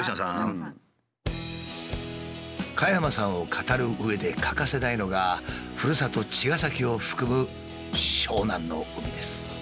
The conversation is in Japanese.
加山さんを語るうえで欠かせないのがふるさと茅ヶ崎を含む湘南の海です。